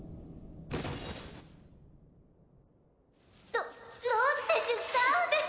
ロローズ選手ダウンです